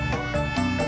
gak ada de